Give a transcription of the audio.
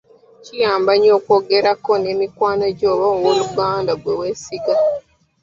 Kiyamba nnyo okwogerako ne mikwano gyo oba owooluganda gwe weesiga.